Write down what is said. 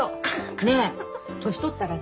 ねえ年取ったらさ